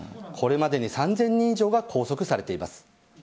これまでに３０００人以上が拘束されています。